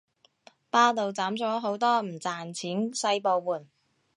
百度斬咗好多唔賺錢細部門